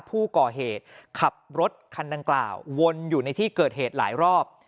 ผู้ก่อเหตุขับรถคันดังกล่าววนอยู่ในที่เกิดเหตุหลายรอบ